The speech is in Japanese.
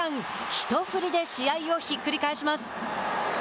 一振りで試合をひっくり返します。